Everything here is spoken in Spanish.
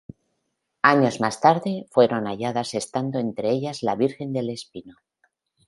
Años más tarde fueron halladas, estando entre ellas la Virgen del Espino.